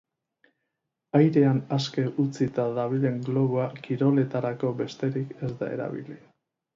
Airean aske utzita dabilen globoa kiroletarako besterik ez da erabili.